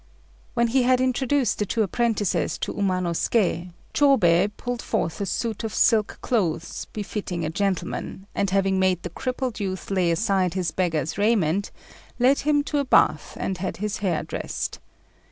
When he had introduced the two apprentices to Umanosuké, Chôbei pulled forth a suit of silk clothes befitting a gentleman, and having made the crippled youth lay aside his beggar's raiment, led him to a bath, and had his hair dressed.